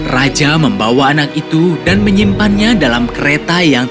raja membawa anak itu dan menyimpannya dalam kereta yang